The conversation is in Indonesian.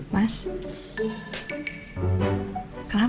mau kemana sih